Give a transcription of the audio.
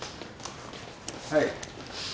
はい。